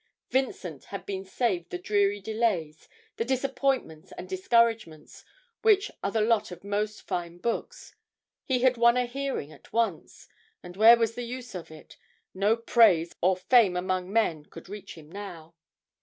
Vincent had been saved the dreary delays, the disappointments and discouragements, which are the lot of most first books; he had won a hearing at once and where was the use of it? no praise or fame among men could reach him now.